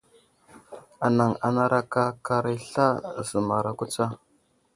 Anaŋ anaraka aka aray i sla, zəmaraka tsa.